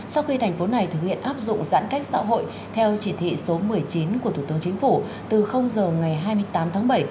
sau khi thành phố này thực hiện áp dụng giãn cách xã hội theo chỉ thị số một mươi chín của thủ tướng chính phủ từ giờ ngày hai mươi tám tháng bảy